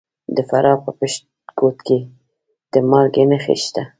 د فراه په پشت کوه کې د مالګې نښې شته.